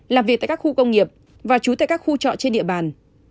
làm việc tại các khu công nghiệp và chú tại các khu trọ trên địa bàn